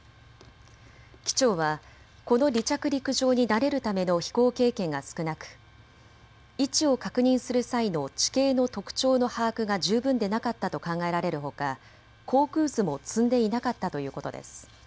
機長はこの離着陸場に慣れるための飛行経験が少なく位置を確認する際の地形の特徴の把握が十分でなかったと考えられるほか航空図も積んでいなかったということです。